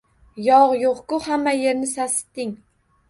“Yog’ yo’q-ku, hamma yerni sasitding!”